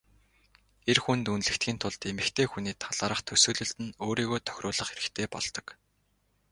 Эр хүнд үнэлэгдэхийн тулд эмэгтэй хүний талаарх төсөөлөлд нь өөрийгөө тохируулах хэрэгтэй болдог.